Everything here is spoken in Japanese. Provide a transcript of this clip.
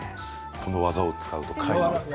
この技を使うと皆無です。